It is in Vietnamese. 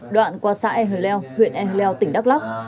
đoạn qua xã e hờ leo huyện e hờ leo tỉnh đắk lắc